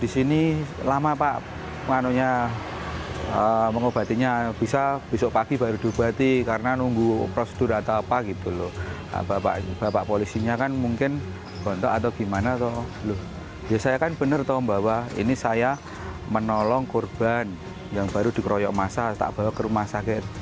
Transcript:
saya kan benar tahu bahwa ini saya menolong korban yang baru dikroyok masak tak bawa ke rumah sakit